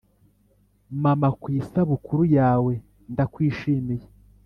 mama, ku isabukuru yawe, ndakwishimiye